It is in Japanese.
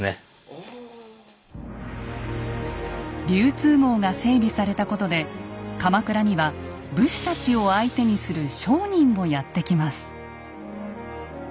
流通網が整備されたことで鎌倉には武士たちを相手にする商人もやって来ます。